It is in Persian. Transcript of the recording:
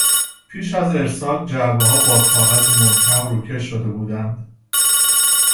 پیش از ارسال، جعبهها با کاغذ محکم روکش شده بودند.